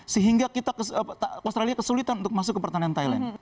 sehingga australia kesulitan untuk masuk ke pertahanan thailand